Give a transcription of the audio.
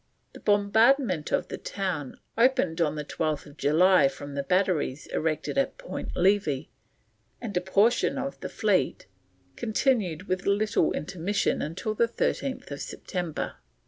The bombardment of the town opened on 12th July from the batteries erected at Point Levi and a portion of the fleet, and continued with little intermission till 13th September.